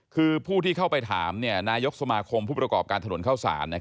คือผู้ที่เข้าไปถามนายกสมาคมผู้ประกอบการถนนเข้าสาร